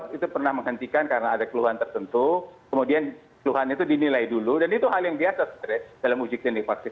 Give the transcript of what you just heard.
itu pernah menghentikan karena ada keluhan tertentu kemudian keluhan itu dinilai dulu dan itu hal yang biasa sebenarnya dalam uji klinik vaksin